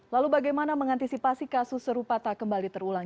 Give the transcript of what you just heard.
lalu bagaimana mengantisipasi kasus serupa tak kembali terulang